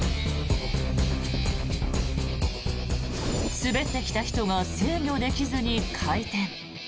滑ってきた人が制御できずに回転。